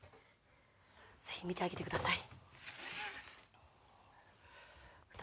ぜひ見てあげてください。